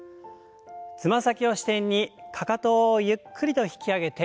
つま先を支点にかかとをゆっくりと引き上げて下ろす運動です。